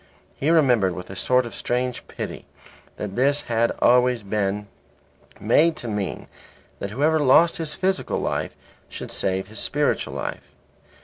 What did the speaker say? He remembered with a sort of strange pity that this had always been made to mean that whoever lost his physical life should save his spiritual life.